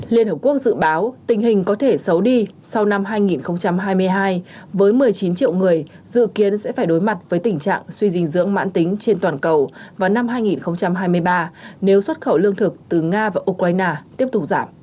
liên hợp quốc dự báo tình hình có thể xấu đi sau năm hai nghìn hai mươi hai với một mươi chín triệu người dự kiến sẽ phải đối mặt với tình trạng suy dinh dưỡng mãn tính trên toàn cầu vào năm hai nghìn hai mươi ba nếu xuất khẩu lương thực từ nga và ukraine tiếp tục giảm